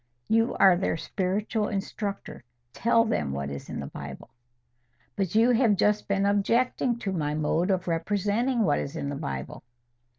"You are their spiritual instructor: tell them what is in the Bible." "But you have just been objecting to my mode of representing what is in the Bible."